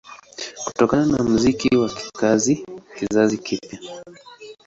Kutokana na muziki wa kizazi kipya